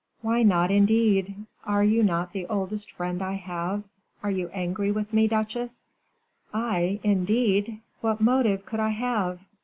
"Why not, indeed? Are you not the oldest friend I have? Are you angry with me, duchesse?" "I, indeed! what motive could I have?